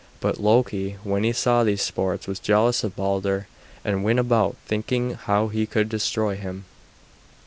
But Loki, when he saw these sports, was jealous of Balder, and went about thinking how he could destroy him.